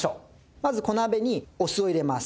まず小鍋にお酢を入れます。